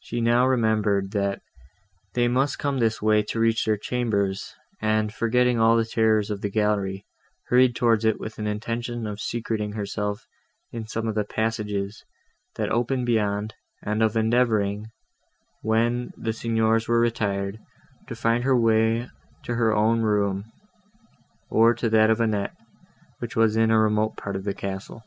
She now remembered, that they must come this way to their chambers, and, forgetting all the terrors of the gallery, hurried towards it with an intention of secreting herself in some of the passages, that opened beyond, and of endeavouring, when the Signors were retired, to find her way to her own room, or to that of Annette, which was in a remote part of the castle.